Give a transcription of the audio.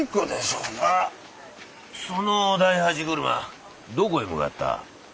その大八車どこへ向かった？